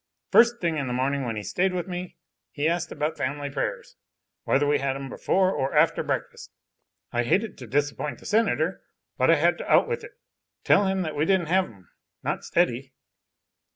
First thing in the morning when he stayed with me he asked about family prayers, whether we had 'em before or after breakfast. I hated to disappoint the Senator, but I had to out with it, tell him we didn't have 'em, not steady.